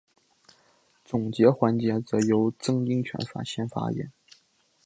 总结环节则由曾荫权先发言。